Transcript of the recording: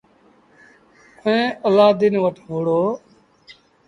ائيٚݩ الآدين وٽ وُهڙو۔